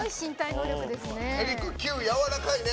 エリック、キュー、やわらかいね。